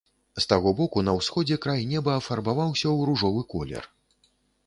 З таго боку на ўсходзе край неба афарбаваўся ў ружовы колер.